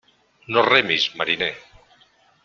No remis, mariner.